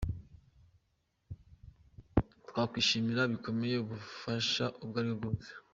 Twakwishimira bikomeye ubufasha ubwo aribwo bwose.